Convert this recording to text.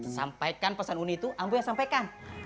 sampaikan pesan uni itu allah yang sampaikan